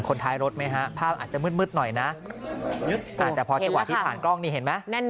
ท้ายรถไหมฮะภาพอาจจะมืดหน่อยนะแต่พอจังหวะที่ผ่านกล้องนี่เห็นไหม